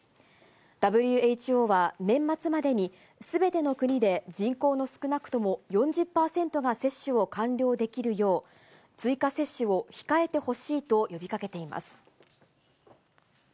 ＷＨＯは年末までに、すべての国で、人口の少なくとも４０％が接種を完了できるよう、追加接種を控えてほしいと呼びかけています。